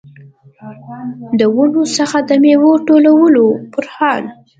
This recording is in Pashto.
د ونو څخه د میوو ټولولو پرمهال.